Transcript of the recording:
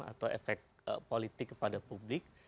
atau efek politik kepada publik